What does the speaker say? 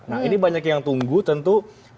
nah ini banyak yang tunggu tentu